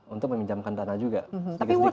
untuk meminjamkan dana juga tapi apa yang